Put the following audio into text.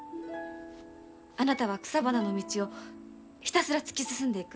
あなたは草花の道をひたすら突き進んでいく。